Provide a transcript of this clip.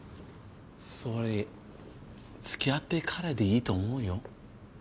それ付き合ってからでいいと思うよ。